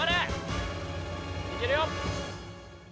いけるよ。